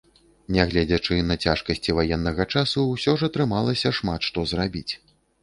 Нягледзячы на цяжкасці ваеннага часу, усё ж атрымалася шмат што зрабіць.